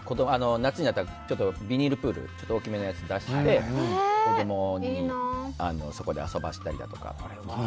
夏になったら、ビニールプール大きめのを出して子供にそこで遊ばせたりだとか。